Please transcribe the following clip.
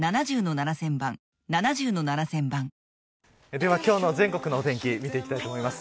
では今日の全国のお天気見ていきたいと思います。